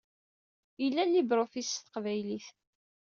Yella libre office s teqbaylit.